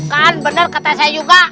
kan benar kata saya juga